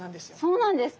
そうなんですか？